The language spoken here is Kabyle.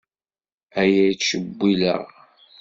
Aya yettcewwil-aɣ.